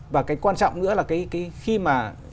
và cái quan trọng nữa là cái khi mà